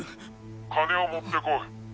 金を持ってこい。